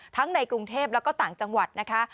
ในกรุงเทพแล้วก็ต่างจังหวัดนะคะ